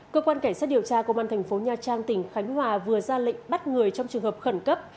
cơ quan cảnh sát điều tra công an thành phố nha trang tỉnh khánh hòa vừa ra lệnh bắt người trong trường hợp khẩn cấp